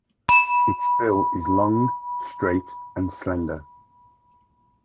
Its bill is long, straight, and slender.